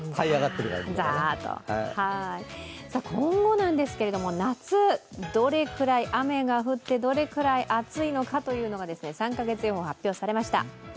今後ですけれども、夏、どれくらい雨が降ってどれくらい暑いのかというのが３カ月予報、発表されました。